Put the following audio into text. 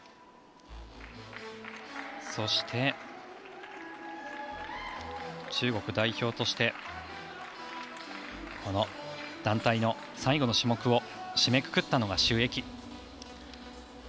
そして、中国代表として団体の最後の種目を締めくくったのが朱易。